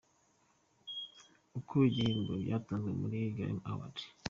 Uko ibihembo byatanzwe muri Grammy Awards.